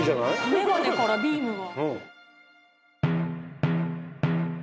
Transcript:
メガネからビームが。